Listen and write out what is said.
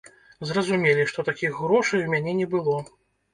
Зразумелі, што такіх грошай у мяне не было.